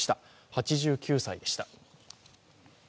８９歳でした。